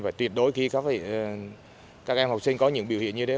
phải tuyệt đối khi các em học sinh có những biểu hiện như thế